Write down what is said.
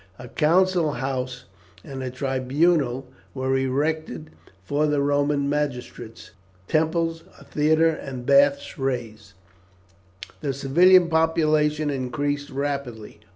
A council house and a tribunal were erected for the Roman magistrates; temples, a theatre, and baths raised. The civilian population increased rapidly.